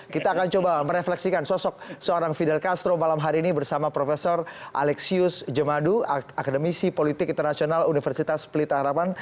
kita akan coba merefleksikan sosok seorang fidel castro malam hari ini bersama prof alexius jemadu akademisi politik internasional universitas pelita harapan